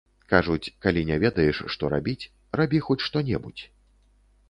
Кажуць, калі не ведаеш, што рабіць, рабі хоць што-небудзь.